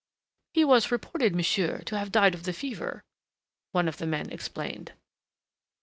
"He was reported, monsieur, to have died of the fever," one of the men explained.